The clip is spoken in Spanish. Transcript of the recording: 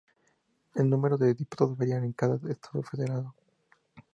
El número de diputados varía en cada Estado federado.